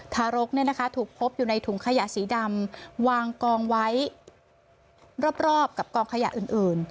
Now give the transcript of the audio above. ทารกถูกพบอยู่ในถุงขยะสีดำวางกองไว้รอบกับกองขยะอื่น